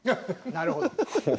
なるほど。